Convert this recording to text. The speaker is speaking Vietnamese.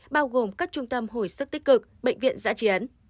bao gồm các trung tâm hồi sức tích cực bệnh viện giã chiến